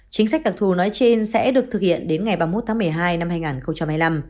chính sách đặc thù nói trên sẽ được thực hiện đến ngày ba mươi một tháng một mươi hai năm hai nghìn hai mươi năm